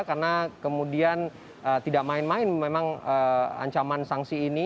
karena kemudian tidak main main memang ancaman sanksi ini